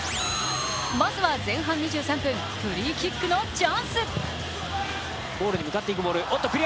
まずは前半２３分、フリーキックのチャンス。